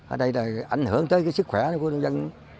ở đây là ảnh hưởng tới cái sức khỏe của nhân dân